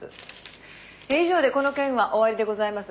「以上でこの件は終わりでございます」